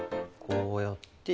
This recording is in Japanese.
こうやって。